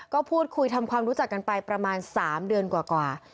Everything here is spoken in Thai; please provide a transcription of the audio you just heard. ก็พูดคุยทำความรู้จักกันไปประมาณ๓เดือนกว่า